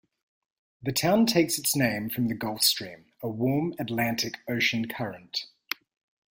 The town takes its name from the Gulf Stream, a warm Atlantic Ocean current.